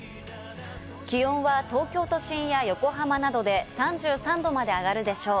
気温は東京都心や横浜などで３３℃まで上がるでしょう。